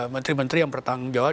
menteri menteri yang bertanggung jawab